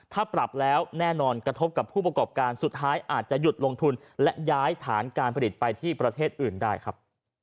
ถ้าปรับแล้วแน่นอนกระทบกับผู้ประกอบการสุดท้ายอาจจะหยุดลงทุนและย้ายฐานการผลิตไปที่ประเทศอื่นได้ครับ